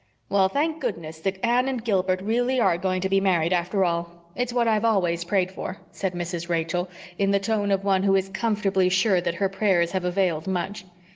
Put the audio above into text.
"Well, thank goodness that Anne and Gilbert really are going to be married after all. It's what I've always prayed for," said Mrs. Rachel, in the tone of one who is comfortably sure that her prayers have availed much.